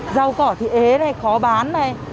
rau cỏ thì ế này khó bán này